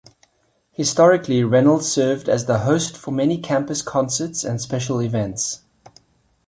Historically, Reynolds served as the host for many campus concerts and special events.